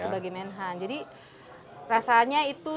sebagai menhan jadi rasanya itu